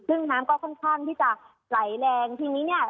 ซึ่งน้ำก็ค่อนข้างที่จะไหลแรงทีนี้เนี่ย